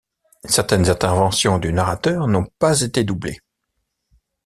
Certaines interventions du narrateur n'ont pas été doublées.